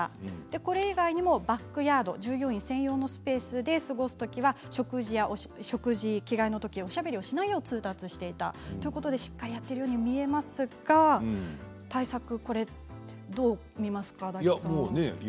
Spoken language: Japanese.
これ以外にもバックヤード従業員専用のスペースで過ごすときには食事や着替えのときにおしゃべりをしないよう通達していたということでしっかりやっているように見えますが対策をどう見ますか、大吉さん。